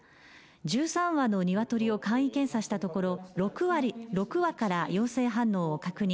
１３羽の鶏を簡易検査したところ６羽から陽性反応を確認。